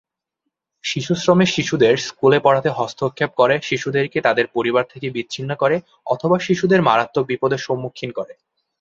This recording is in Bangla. শিশুশ্রমের শিশুদের স্কুলে পড়াতে হস্তক্ষেপ করে, শিশুদেরকে তাদের পরিবার থেকে বিচ্ছিন্ন করে অথবা শিশুদের মারাত্মক বিপদের সম্মুখীন করে।